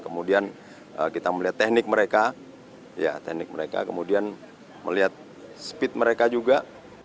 kemudian kita melihat teknik mereka teknik mereka kemudian melihat speed mereka juga